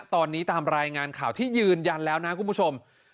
ตอนนี้ตามรายงานข่าวที่ยืนยันแล้วนะคุณผู้ชม